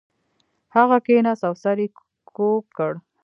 هغه کښیناست او سر یې کږ کړ